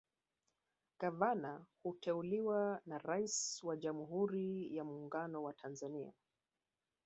Gavana huteuliwa na Rais wa Jamhuri ya Mungano wa Tanzania